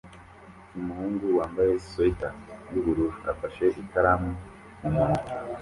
Umuhungu wambaye swater yubururu afashe ikaramu mumunwa